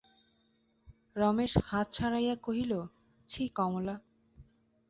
রমেশ হাত ছাড়াইয়া কহিল, ছি কমলা!